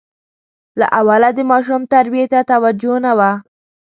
له اوله د ماشوم تربیې ته توجه نه وه.